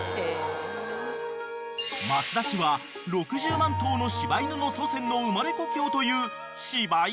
［益田市は６０万頭の柴犬の祖先の生まれ故郷という柴犬！？